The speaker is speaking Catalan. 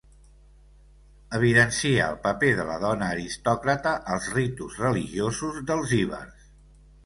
Evidencia el paper de la dona aristòcrata als ritus religiosos dels ibers.